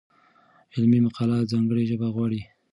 علمي مقاله ځانګړې ژبه غواړي.